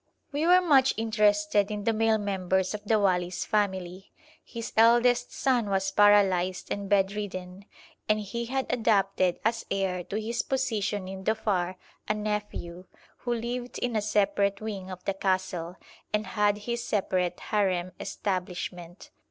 We were much interested in the male members of the wali's family. His eldest son was paralysed and bedridden, and he had adopted as heir to his position in Dhofar a nephew, who lived in a separate wing of the castle, and had his separate harem establishment.